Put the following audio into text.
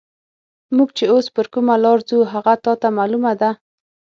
موږ چې اوس پر کومه لار ځو، هغه تا ته معلومه ده؟